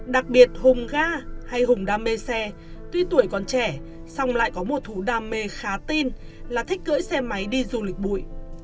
đặc biệt hùng ga hay hùng đam mê xe tuy tuổi còn trẻ song lại có một thú đam mê khá tin là thích cưỡi xe máy đi du lịch bụi